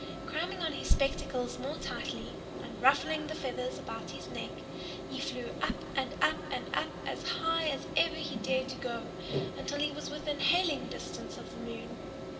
Cramming on his spectacles more tightly and ruffling the feathers about his neck, he flew up and up and up, as high as ever he dared to go, until he was within hailing distance of the moon.